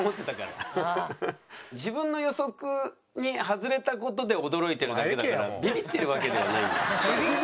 自分の予測に外れた事で驚いてるだけだからビビってるわけではないんです。